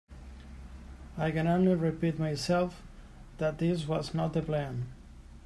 I can only repeat myself that this was not the plan.